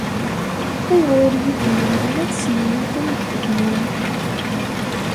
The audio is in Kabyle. Ayɣer ur iyi-d-tennim ara tessnem yakan ad t-txedmem?